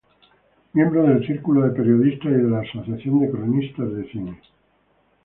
Miembro del Círculo de Periodistas y de la Asociación de Cronistas de Cine.